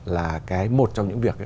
là cái một trong những việc